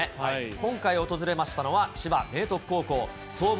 今回訪れましたのは、千葉明徳高校、創部